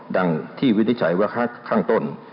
ดังที่วินิจฉัยว่าข้างต้น